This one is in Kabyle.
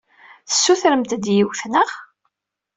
Tessutremt-d yiwet, naɣ?